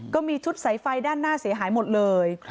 ก็มีชุดสายไฟด้านหน้าเสียหายหมดเลย